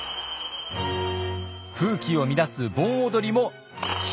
風紀を乱す盆踊りも禁止。